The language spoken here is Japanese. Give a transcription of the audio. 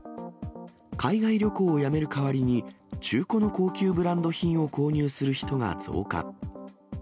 海外旅行をやめる代わりに、中古の高級ブランド品を購入する人が増加。